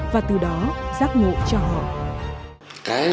và từ đó giác ngộ cho đồng chí